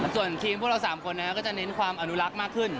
ส่วนทีมพวกเรา๓คนก็จะเน้นความอนุรักษ์มากขึ้น